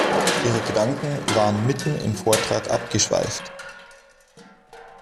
Ihre Gedanken waren mitten im Vortrag abgeschweift.